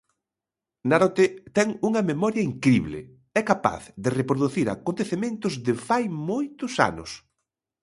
Narote ten unha memoria incrible, é capaz de reproducir acontecementos de fai moitos anos.